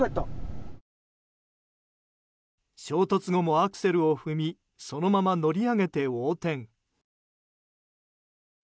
衝突後もアクセルを踏みそのまま乗り上げて横転。